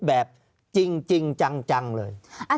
ภารกิจสรรค์ภารกิจสรรค์